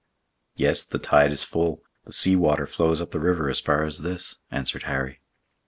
"Yes, the tide is full; the sea water flows up the river as far as this," answered Harry.